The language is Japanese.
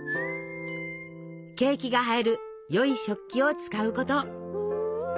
ケーキが映えるよい食器を使うこと。